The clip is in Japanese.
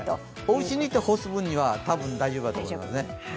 おうちにいて干す分には多分、大丈夫だと思いますね。